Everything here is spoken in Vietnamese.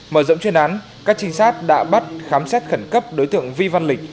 mở rộng chuyên án các trinh sát đã bắt khám xét khẩn cấp đối tượng vi văn lịch